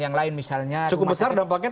yang lain misalnya cukup besar dampaknya